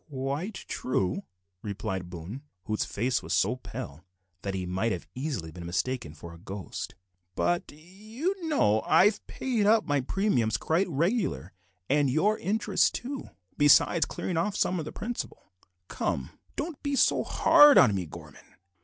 "Quite true," replied Boone, whose face was so pale that he might have easily been mistaken for a ghost, "but you know I have paid up my premiums quite regular, and your interest too, besides clearin' off some of the principal. Come, don't be hard on me, Gorman.